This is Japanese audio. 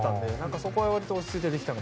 そこは落ち着いてできました。